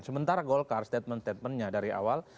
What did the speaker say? sementara golkar statement statementnya dari awal